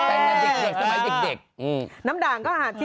น้ำด่างก็ที่เขาขายน้ำด่างน้ำด่างซื้อมากินเลยเหรอวะ